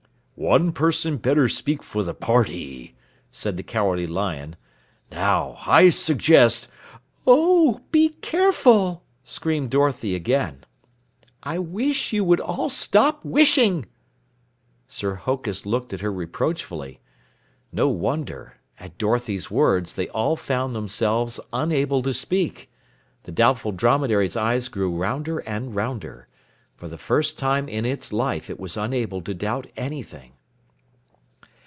"One person better speak for the party," said the Cowardly Lion. "Now, I suggest " "Oh, be careful!" screamed Dorothy again. "I wish you would all stop wishing!" Sir Hokus looked at her reproachfully. No wonder. At Dorothy's words, they all found themselves unable to speak. The Doubtful Dromedary's eyes grew rounder and rounder. For the first time in its life, it was unable to doubt anything.